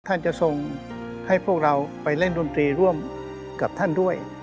ท่านจะทรงให้พวกเราไปเล่นดนตรีร่วมกับท่านด้วย